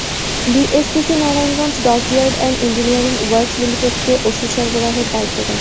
DSCC Narayanganj dockyard and engineering works লিমিটেডকে ওষুধ সরবরাহের দায়িত্ব দেয়।